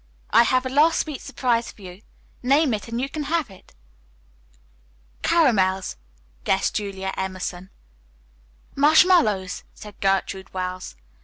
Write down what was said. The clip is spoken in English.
I have a last sweet surprise for you. Name it and you can have it." "Caramels," guessed Julia Emerson. "Marshmallows," said Gertrude Wells.